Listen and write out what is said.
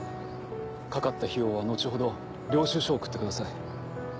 かかった費用は後ほど領収書を送ってください。